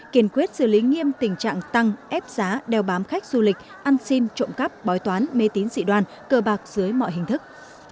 kiên quyết xử lý nghiêm tình trạng tăng ép giá đeo bám khách du lịch ăn xin trộm cắp bói toán mê tín dị đoan cờ bạc dưới mọi hình thức